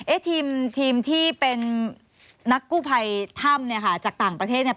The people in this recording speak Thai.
ทีมทีมที่เป็นนักกู้ภัยถ้ำเนี่ยค่ะจากต่างประเทศเนี่ย